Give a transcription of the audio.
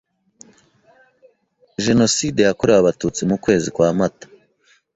Jenoside yakorewe Abatutsi mu kwezi kwa mata